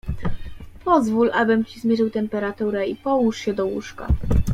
"Pozwól, abym ci zmierzył temperaturę i połóż się do łóżka."